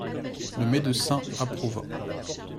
Le médecin approuva.